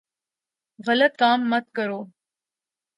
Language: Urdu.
غلط کام مت کرو ـ